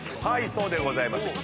そうでございます。